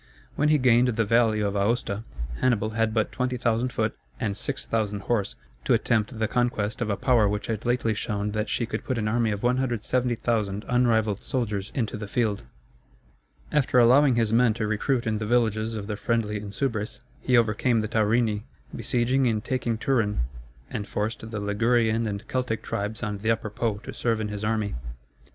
When he gained the valley of Aosta, Hannibal had but 20,000 foot and 6,000 horse to attempt the conquest of a power which had lately shown that she could put an army of 170,000 unrivalled soldiers into the field. [Illustration: Hannibal crossing the Rhone.] After allowing his men to recruit in the villages of the friendly Insubres, he overcame the Taurini, besieging and taking Turin, and forced the Ligurian and Celtic tribes on the Upper Po to serve in his army.